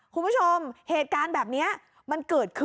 คุณผู้ข้อมเหตุการณ์แบบนี้